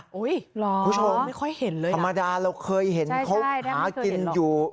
คุณผู้ชมธรรมดาเราเคยเห็นเขาหากินอยู่